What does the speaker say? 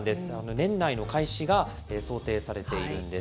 年内の開始が想定されているんです。